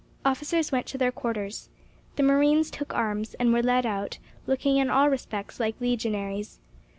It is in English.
Officers went to their quarters. The marines took arms, and were led out, looking in all respects like legionaries.